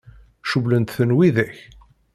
Cewwlen-ten widak?